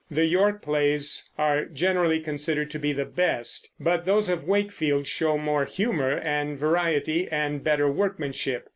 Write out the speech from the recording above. The York plays are generally considered to be the best; but those of Wakefield show more humor and variety, and better workmanship.